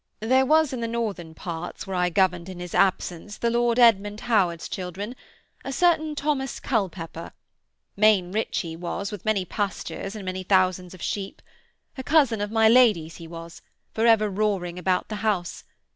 'There was in the Northern parts, where I governed in his absence the Lord Edmund Howard's children, a certain Thomas Culpepper. Main rich he was, with many pastures and many thousands of sheep. A cousin of my lady's he was, for ever roaring about the house.